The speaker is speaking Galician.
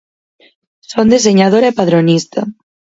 Son deseñadora e padronista.